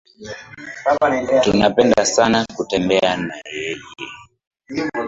Tunapenda sana kutembea na yeye